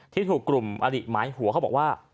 ที่ถูกกลุ่มอลิหมายหัวเขาบอกว่า